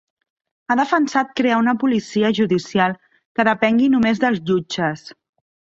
Ha defensat crear una policia judicial que depengui només dels jutges.